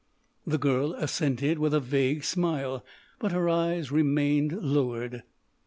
The girl assented with a vague smile, but her eyes remained lowered.